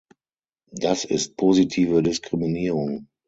Das ist positive Diskriminierung.